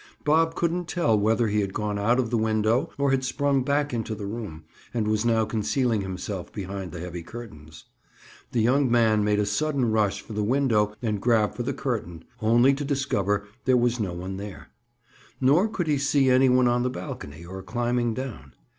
Bob couldn't tell whether he had gone out of the window, or had sprung back into the room and was now concealing himself behind the heavy curtains. The young man made a sudden rush for the window and grab for the curtain, only to discover there was no one there; nor could he see any one on the balcony, or climbing down.